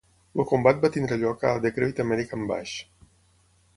El combat va tenir lloc a The Great American Bash.